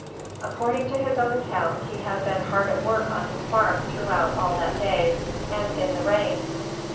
According to his own account, he had been hard at work on his farm throughout all that day, and in the rain.